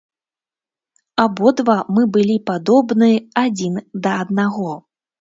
Абодва мы былі падобны адзін да аднаго.